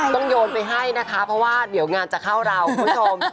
โยนไปให้นะคะเพราะว่าเดี๋ยวงานจะเข้าเราคุณผู้ชม